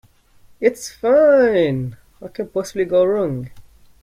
It's fine. What can possibly go wrong?